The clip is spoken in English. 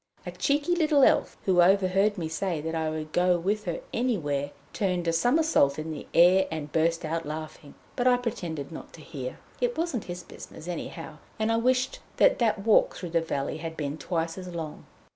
A cheeky little Elf, who overheard me say that I would go with her anywhere, turned a somersault in the air and burst out laughing, but I pretended not to hear. It wasn't his business, anyhow, and I wished that that walk through the valley had been twice as long.